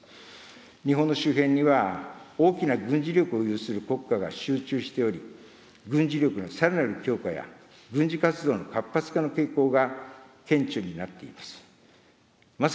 日本の周辺には、大きな軍事力を有する国家が集中しており、軍事力のさらなる強化や軍事活動の活発化の傾向が顕著になっています。